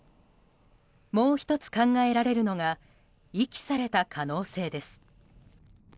もう１つ考えられるのが遺棄された可能性です。